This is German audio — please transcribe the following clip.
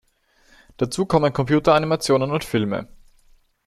Dazu kommen Computeranimationen und Filme.